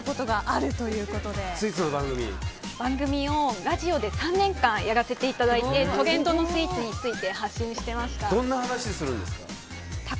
番組をラジオで３年間やらせていただいてトレンドのスイーツについてどんな話するんですか？